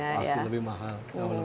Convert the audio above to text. pasti lebih mahal